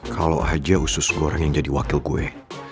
kalau aja usus semua orang yang jadi wakil gue